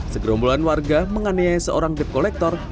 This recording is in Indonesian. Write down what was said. segerombolan warga menganiaya seorang dep kolektor